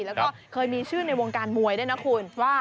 แล้วก็เคยมีชื่อในวงการมวยด้วยนะคุณว่า